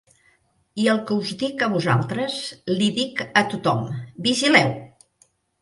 I el que us dic a vosaltres, l'hi dic a tothom: Vigileu!